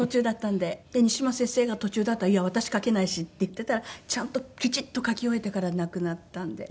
で西村先生が途中だったら「いや私書けないし」って言っていたらちゃんときちっと書き終えてから亡くなったんで。